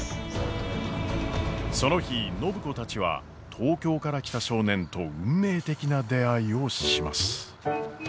その日暢子たちは東京から来た少年と運命的な出会いをします。